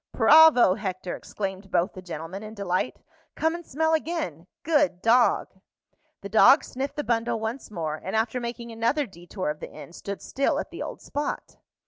"Bravo, Hector!" exclaimed both the gentlemen, in delight. "Come and smell again. Good dog!" The dog sniffed the bundle once more, and after making another detour of the inn, stood still at the old spot.